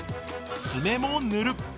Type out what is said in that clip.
爪も塗る。